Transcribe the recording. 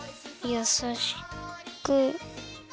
やさしく。